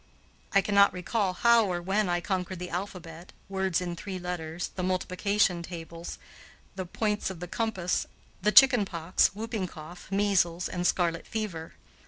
I cannot recall how or when I conquered the alphabet, words in three letters, the multiplication table, the points of the compass, the chicken pox, whooping cough, measles, and scarlet fever.